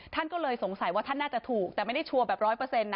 ท่านก็เลยสงสัยว่าท่านน่าจะถูกแต่ไม่ได้ชัวร์